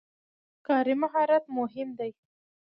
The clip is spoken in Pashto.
کاري مهارت مهم دی.